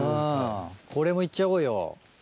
これも行っちゃおうよ。